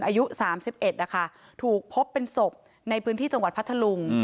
อายุ๓๑นะคะถูกพบเป็นศพในพื้นที่จังหวัดพัทธลุง